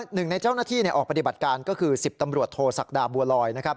หนึ่งในเจ้าหน้าที่ออกปฏิบัติการก็คือ๑๐ตำรวจโทษศักดาบัวลอยนะครับ